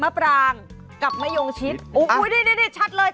ฝากมะยงชิดโอ้ยนี่ชัดเลย